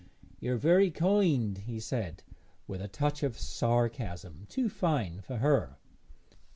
'You are very kind,' he said, with a touch of sarcasm too fine for her.